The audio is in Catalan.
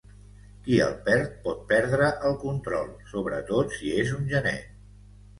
Qui el perd pot perdre el control, sobretot si és un genet.